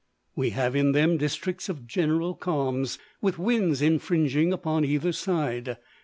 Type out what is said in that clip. We have in them districts of general calms, with winds infringing upon either side.